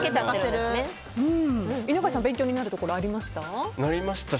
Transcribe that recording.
犬飼さん勉強になるところありました？